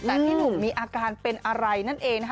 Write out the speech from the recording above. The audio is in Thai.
แต่พี่หนุ่มมีอาการเป็นอะไรนั่นเองนะคะ